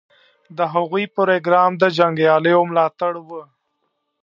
د هغوی پروګرام د جنګیالیو ملاتړ و.